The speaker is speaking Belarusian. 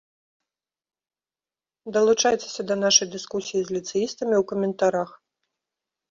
Далучайцеся да нашай дыскусіі з ліцэістамі ў каментарах.